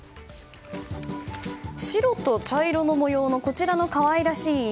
白と茶色の模様のこちらの可愛らしい犬。